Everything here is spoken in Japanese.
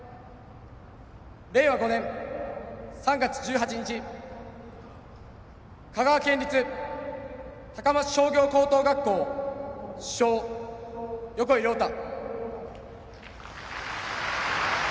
令和５年３月１８日香川県立高松商業高等学校主将横井亮太。